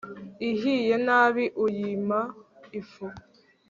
ihiye nabi uyima ifu